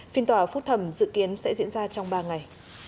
phiên tòa phúc thẩm dự kiến sẽ diễn ra trong ba ngày